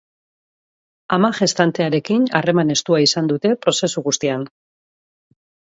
Ama gestantearekin harreman estua izan dute prozesu guztian.